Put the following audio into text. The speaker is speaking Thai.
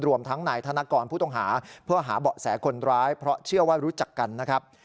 รวมทั้งนายธนกรผู้ต้องหาเพื่อหาเบาะแสคนร้ายเพราะเชื่อว่ารู้จักกันนะครับ